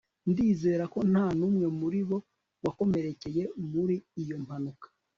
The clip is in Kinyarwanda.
ndizera ko nta n'umwe muri bo wakomerekeye muri iyo mpanuka